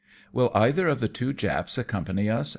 " Will either of the two Japs accompany us